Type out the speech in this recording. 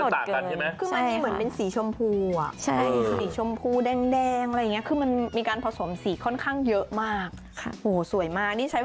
เชฟสีที่มันต่างกันใช่ไหม